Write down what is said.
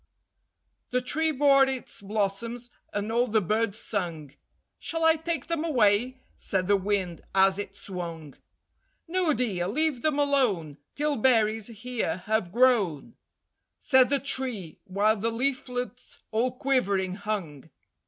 The tree bore its blossoms, and all the birds sung: "Shall I take them away?" said the Wind, as it swung. "No, dear, leave them alone Till berries here have grown," Said the tree, while the leaflets all quivering hung.